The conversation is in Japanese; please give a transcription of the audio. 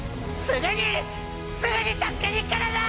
すぐにすぐに助けに行くからな！